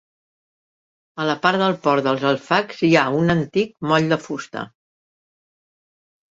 A la part del port dels Alfacs hi ha un antic moll de fusta.